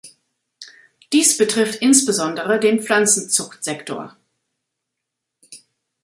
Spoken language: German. Dies betrifft insbesondere den Pflanzenzuchtsektor.